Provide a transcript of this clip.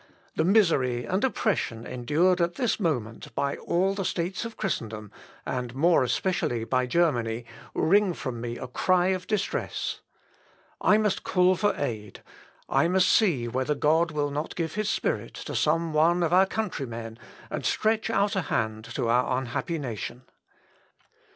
The misery and oppression endured at this moment by all the States of Christendom, and more especially by Germany, wring from me a cry of distress. I must call for aid; I must see whether God will not give his Spirit to some one of our countrymen, and stretch out a hand to our unhappy nation.